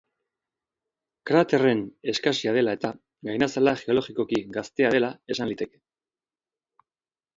Kraterren eskasia dela eta, gainazala geologikoki gaztea dela esan liteke.